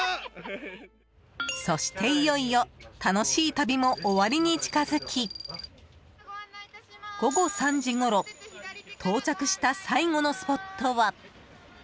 そして、いよいよ楽しい旅も終わりに近づき午後３時ごろ到着した最後のスポットは。